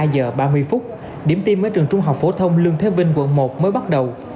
một mươi ba giờ ba mươi phút điểm tiêm ở trường trung học phổ thông lương thế vinh quận một mới bắt đầu